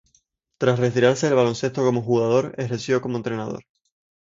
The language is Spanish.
Tras retirarse del baloncesto como jugador, ejerció como entrenador.